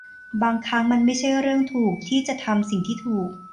บางครั้งมันไม่ใช่เรื่องถูกที่จะทำสิ่งที่ถูก